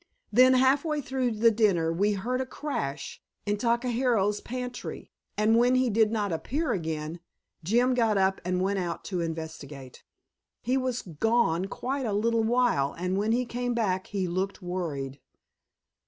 Then half way through the dinner we heard a crash in Takahiro's pantry, and when he did not appear again, Jim got up and went out to investigate. He was gone quite a little while, and when he came back he looked worried.